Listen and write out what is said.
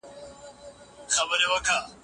ایا استاد د موضوع په څېړنه کي لارښوونه کوي؟